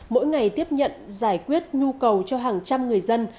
mỗi ngày tiếp nhận giải quyết nhu cầu cho hàng trăm người dân